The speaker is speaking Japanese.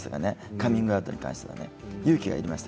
カミングアウトに関してはね勇気がいりました。